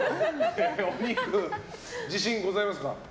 お肉、自信ございますか？